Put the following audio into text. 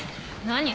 何？